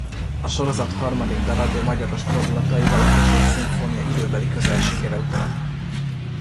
A sorozat harmadik darabja magyaros fordulataival a Kossuth-szimfónia időbeli közelségére utal.